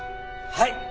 はい。